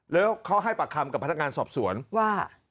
แล้วเขาให้ปากคำกับพนักงานสอบสวนว่า